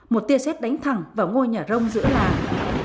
một tia xét đánh thẳng vào ngôi nhà rông giữa làng